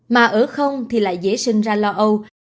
mà ở không thì lại dễ sinh ra lo âu